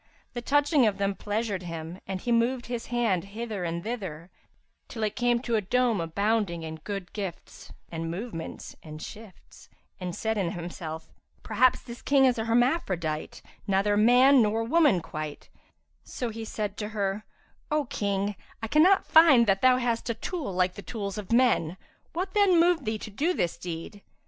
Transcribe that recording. The touching of them pleasured him and he moved his hand hither and thither, till it came to a dome abounding in good gifts and movements and shifts, and said in himself, "Perhaps this King is a hermaphrodite,[FN#348] neither man nor woman quite;" so he said to her, "O King, I cannot find that thou hast a tool like the tools of men; what then moved thee to do this deed?"